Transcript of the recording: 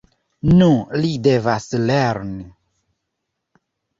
Nu li devas lerni!